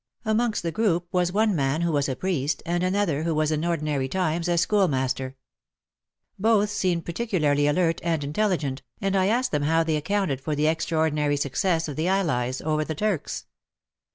Amongst the group was one man who was a priest, and another who was in ordinary times a school master. Both seemed particularly alert and intelligent, and I asked them how they accounted for the ex traordinary success of the Allies over the Turks.